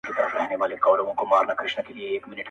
دا شپه پر تېرېدو ده څوک به ځي څوک به راځي!!..